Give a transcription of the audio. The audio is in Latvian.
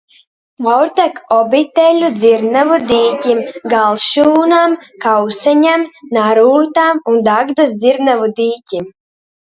Caurtek Obiteļu dzirnavu dīķim, Galšūnam, Kauseņam, Narūtam un Dagdas dzirnavu dīķim.